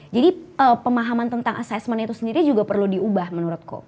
jadi pemahaman tentang assessment itu sendiri juga perlu diubah menurutku